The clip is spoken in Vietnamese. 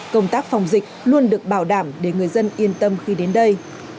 công tác phòng dịch luôn được bảo đảm để người dân yên tâm khi đến đây